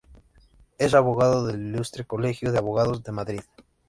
Es abogado del Ilustre Colegio de Abogados de Madrid.